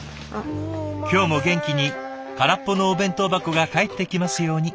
今日も元気に空っぽのお弁当箱が帰ってきますように。